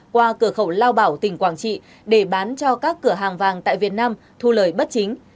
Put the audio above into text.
qua cửa khẩu lao bảo tỉnh quảng trị để bán cho các cửa hàng vàng tại việt nam thu lời bất chính